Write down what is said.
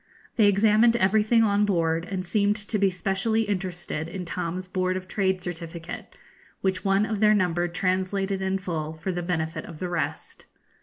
They examined everything on board, and seemed to be specially interested in Tom's Board of Trade certificate, which one of their number translated in full for the benefit of the rest.